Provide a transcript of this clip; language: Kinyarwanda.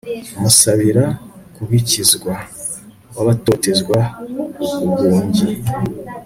umusabira kubikizwa w'abatotezwa uguhungi